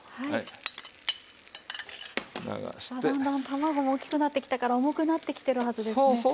だんだん卵も大きくなってきたから重くなってきてるはずですね。